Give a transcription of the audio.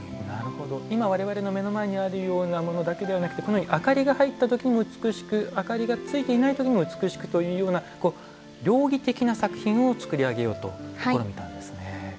今、われわれの目の前にあるようなものだけでなく明かりが入ったときにも美しく明かりが入っていないときにも美しくというような両義的な作品を作り上げようと試みたいんですね。